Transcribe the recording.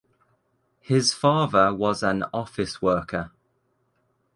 His father was an office worker.